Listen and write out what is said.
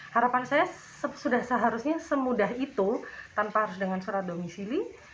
harapan saya sudah seharusnya semudah itu tanpa harus dengan surat domisili